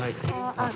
あっ。